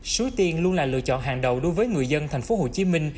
suối tiên luôn là lựa chọn hàng đầu đối với người dân thành phố hồ chí minh